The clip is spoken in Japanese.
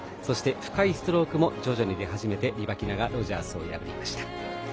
深いストロークも徐々に出始めてリバキナがロジャースを破りました。